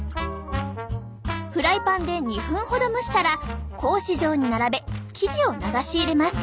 フライパンで２分ほど蒸したら格子状に並べ生地を流し入れます。